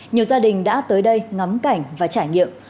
nhiều gia đình đã tới đây ngắm cảnh và trải nghiệm